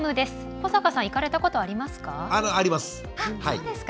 古坂さん行かれたことありますか？